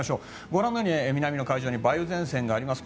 ご覧のように南の海上に梅雨前線があります。